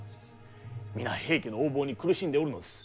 皆平家の横暴に苦しんでおるのです。